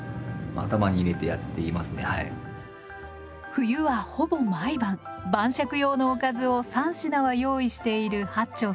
冬はほぼ毎晩晩酌用のおかずを３品は用意している八町さん。